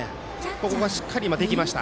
ここがしっかりと今はできました。